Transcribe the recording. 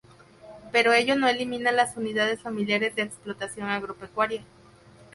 Pero ello no elimina las unidades familiares de explotación agropecuaria.